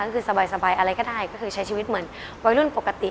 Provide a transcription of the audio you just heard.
ก็คือสบายอะไรก็ได้ก็คือใช้ชีวิตเหมือนวัยรุ่นปกติ